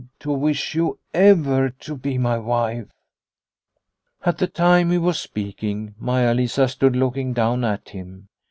to wish you ever to be my wife." All the time he was speaking Maia Lisa stood looking down at him.